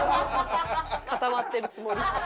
固まってるつもり。